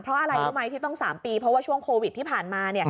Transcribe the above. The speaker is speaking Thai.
เพราะอะไรรู้ไหมที่ต้อง๓ปีเพราะว่าช่วงโควิดที่ผ่านมา